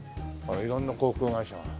色んな航空会社が。